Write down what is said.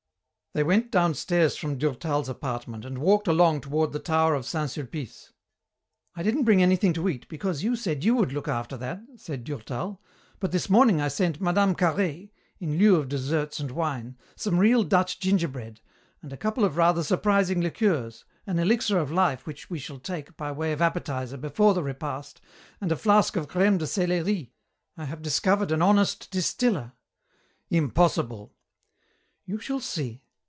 They went downstairs from Durtal's apartment and walked along toward the tower of Saint Sulpice. "I didn't bring anything to eat, because you said you would look after that," said Durtal, "but this morning I sent Mme. Carhaix in lieu of desserts and wine some real Dutch gingerbread, and a couple of rather surprising liqueurs, an elixir of life which we shall take, by way of appetizer, before the repast, and a flask of crême de céléri. I have discovered an honest distiller." "Impossible!" "You shall see.